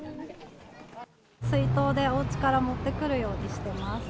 水筒でおうちから持ってくるようにしてます。